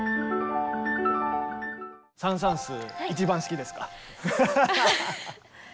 サン・サーンス一番好きですか？